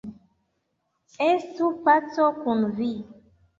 Estu paco kun vi!